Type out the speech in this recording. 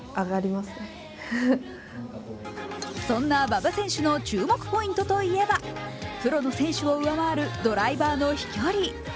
そんな馬場選手の注目ポイントといえばプロの選手を上回るドライバーの飛距離。